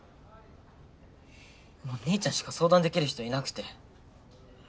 もう兄ちゃんしか相談できる人いなくて。